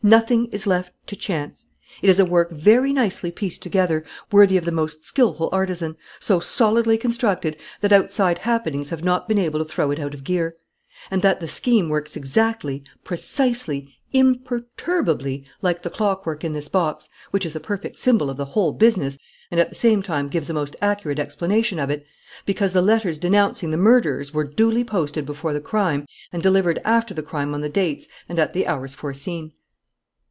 Nothing is left to chance. It is a work very nicely pieced together, worthy of the most skilful artisan, so solidly constructed that outside happenings have not been able to throw it out of gear; and that the scheme works exactly, precisely, imperturbably, like the clockwork in this box, which is a perfect symbol of the whole business and, at the same time, gives a most accurate explanation of it, because the letters denouncing the murderers were duly posted before the crime and delivered after the crime on the dates and at the hours foreseen."